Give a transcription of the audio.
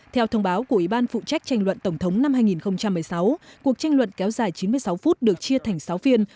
theo thông báo của ủy ban phụ trách tranh luận tổng thống năm hai nghìn một mươi sáu cuộc tranh luận kéo dài chín mươi sáu phút được chia thành sáu phiên